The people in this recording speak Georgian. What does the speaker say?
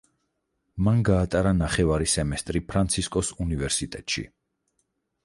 მან გაატარა ნახევარი სემესტრი ფრანცისკოს უნივერსიტეტში.